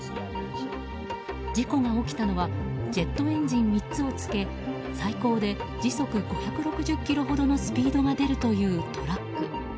事故が起きたのはジェットエンジン３つを付け最高で時速５６０キロほどのスピードが出るというトラック。